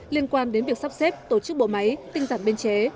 liên quan đến việc sắp xếp tổ chức bộ máy tinh giản biên chế